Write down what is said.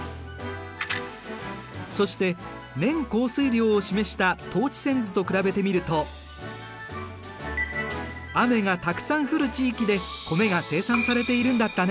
そして年降水量を示した等値線図と比べてみると雨がたくさん降る地域で米が生産されているんだったね。